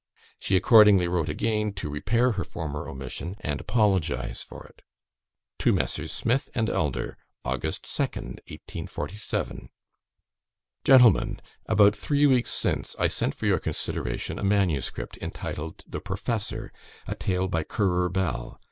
She accordingly wrote again, to repair her former omission, and apologise for it. To MESSRS. SMITH AND ELDER. "August 2nd, 1847. "Gentlemen, About three weeks since, I sent for your consideration a MS. entitled "The Professor", a tale by Currer Bell.